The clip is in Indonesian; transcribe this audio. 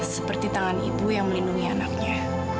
seperti tangan ibu yang melindungi anaknya